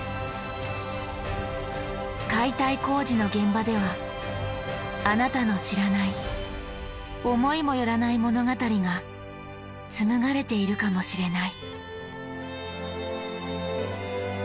解体工事の現場ではあなたの知らない思いもよらない物語が紡がれているかもしれない。